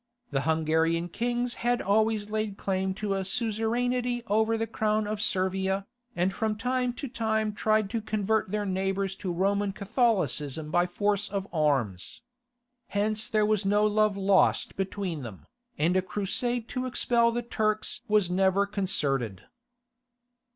The Hungarian kings had always laid claim to a suzerainty over the crown of Servia, and from time to time tried to convert their neighbours to Roman Catholicism by force of arms. Hence there was no love lost between them, and a crusade to expel the Turks was never concerted.